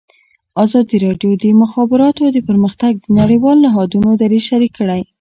ازادي راډیو د د مخابراتو پرمختګ د نړیوالو نهادونو دریځ شریک کړی.